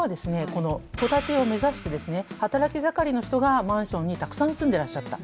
この戸建てを目指してですね働き盛りの人がマンションにたくさん住んでらっしゃった。